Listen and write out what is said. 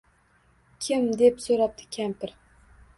— Kim? — deb soʻrabdi kampir